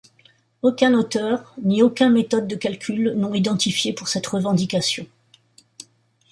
Aucun auteur, ni aucun méthode de calcul n'ont identifiée pour cette revendication.